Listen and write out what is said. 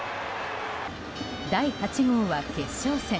第８号は決勝戦。